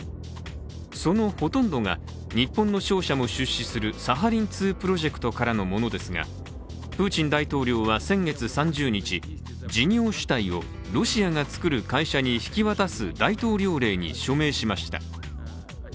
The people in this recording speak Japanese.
そのほとんどが、日本の商社も出資するサハリン２プロジェクトからのものですが、プーチン大統領は先月３０日事業主体をロシアがつくる会社に引き渡す大統領令に署名しました。